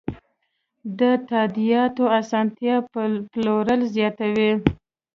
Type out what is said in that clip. د تادیاتو اسانتیا پلور زیاتوي.